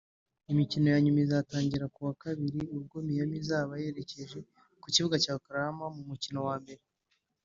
Imikino ya nyuma izatangira kuwa kabiri ubwo Miami izaba yerekeje ku kibuga cya Oklahoma mu mukino wa mbere